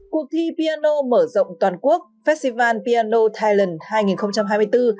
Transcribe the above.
cuộc thi piano mở rộng toàn quốc festival piano talent